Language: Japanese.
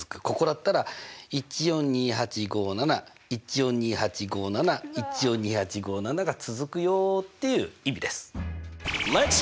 ここだったら１４２８５７１４２８５７１４２８５７が続くよっていう意味です。